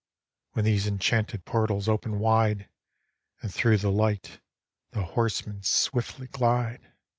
When these enchanted portals open wide, And through the light the horsemen swiftly glide.